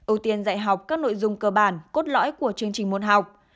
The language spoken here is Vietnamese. ưu tiên dạy học các nội dung cơ bản cốt lõi của chương trình môn học